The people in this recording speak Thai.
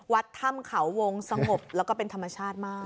วัดถ้ำเขาวงสงบแล้วก็เป็นธรรมชาติมาก